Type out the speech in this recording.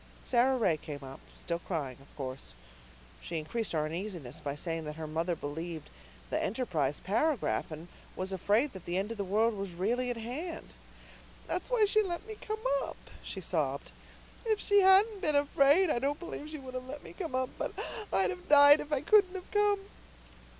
Sara Ray came up, still crying, of course. She increased our uneasiness by saying that her mother believed the Enterprise paragraph, and was afraid that the end of the world was really at hand. "That's why she let me come up," she sobbed. "If she hadn't been afraid I don't believe she would have let me come up. But I'd have died if I couldn't have come.